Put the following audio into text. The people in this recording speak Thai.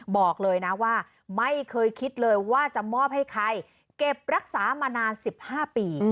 บอกเลยนะว่าไม่เคยคิดเลยว่าจะมอบให้ใครเก็บรักษามานาน๑๕ปี